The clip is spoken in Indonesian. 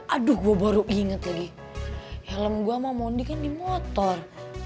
aduh gue baru inget lagi helm gue mau mondi kan di motor